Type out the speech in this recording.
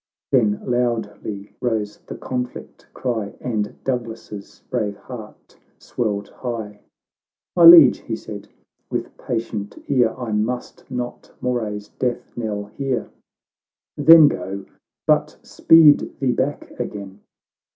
— Then loudly rose the conflict cry, And Douglas's brave heart swelled high, —" My Liege," he said, " with patient ear I must not Moray's death knell hear !"—" Then go, but speed thee back again."